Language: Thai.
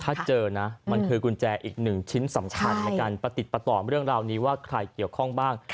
ถ้าเจอนะมันคือกุญแจอีกหนึ่งชิ้นสำคัญในการประติดประต่อเรื่องราวนี้ว่าใครเกี่ยวข้องบ้าง